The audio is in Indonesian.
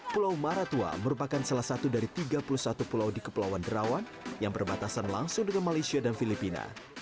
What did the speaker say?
pulau maratua merupakan salah satu dari tiga puluh satu pulau di kepulauan derawan yang berbatasan langsung dengan malaysia dan filipina